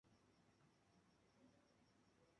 En un principio se llamó Palacio de las Comunicaciones.